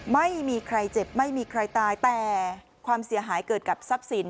ไม่มีใครเจ็บไม่มีใครตายแต่ความเสียหายเกิดกับทรัพย์สิน